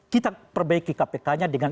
kita perbaiki kpk nya dengan